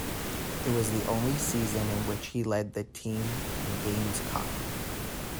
It was the only season in which he led the team in games caught.